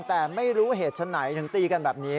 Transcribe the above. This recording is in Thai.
แต่ไม่รู้เหตุฉันไหนถึงตีกันแบบนี้